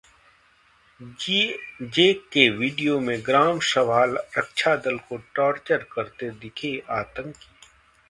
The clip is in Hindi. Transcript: J-K: वीडियो में ग्राम रक्षा दल को टॉर्चर करते दिखे आतंकी